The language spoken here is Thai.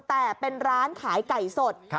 แต่เป็นร้านขายไก่สด